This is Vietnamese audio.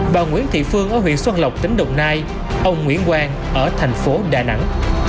bà nguyễn thị phương ở huyện xuân lộc tỉnh đồng nai ông nguyễn quang ở thành phố đà nẵng